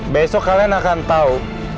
besok kalian akan tahu